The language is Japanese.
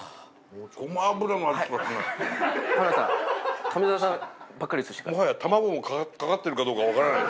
もはや卵もかかってるかどうか分からない。